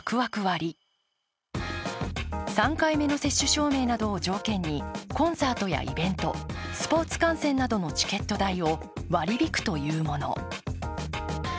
３回目の接種証明などを条件にコンサートやイベントスポーツ観戦などのチケット代を割り引くというもの。